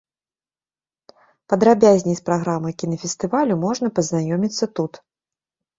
Падрабязней з праграмай кінафестывалю можна пазнаёміцца тут.